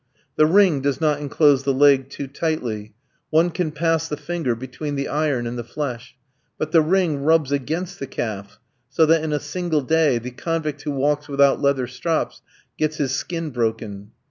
The ring does not enclose the leg too tightly. One can pass the finger between the iron and the flesh; but the ring rubs against the calf, so that in a single day the convict who walks without leather straps, gets his skin broken.